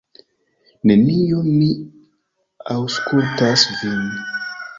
Nenio, mi aŭskultas vin.